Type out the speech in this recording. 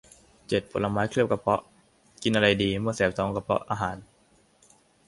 เจ็ด ผลไม้เคลือบกระเพาะ กินอะไรดีเมื่อแสบท้องกระเพาะอาหาร